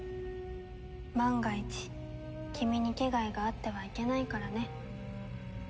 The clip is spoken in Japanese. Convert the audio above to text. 「万が一君に危害があってはいけないからね」